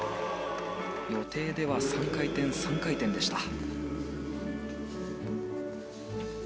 予定では３回転、３回転でした。